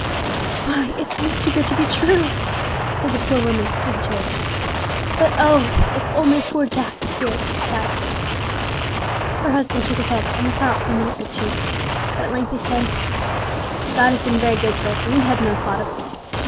"Why, it seems too good to be true," said the poor woman, through her tears. "But oh! if only poor Jack was here!" she sighed. Her husband shook his head, and was silent for a minute or two; but at length he said: "God has been very good to us when we had no thought of Him.